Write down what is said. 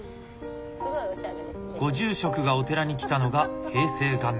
ご住職がお寺に来たのが平成元年。